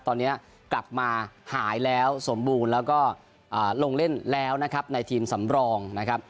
ตอนนี้กลับมาหายแล้วสมบูรณ์แล้วก็ลงเล่นแล้วนะครับในทีมสำรองนะครับ